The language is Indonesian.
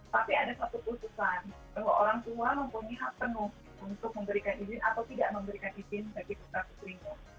tapi ada satu putusan bahwa orang tua mempunyai hak penuh untuk memberikan izin atau tidak memberikan izin bagi putra putrinya